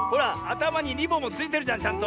たまにリボンもついてるじゃんちゃんと。